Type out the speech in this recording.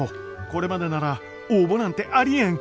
これまでなら「応募なんてありえん！」